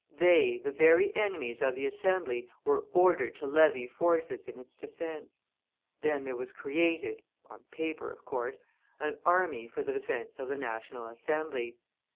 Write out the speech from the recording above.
They, the very enemies of the Assembly, were ordered to levy forces in its defence! Then there was created on paper, of course an army for the defence of the National Assembly.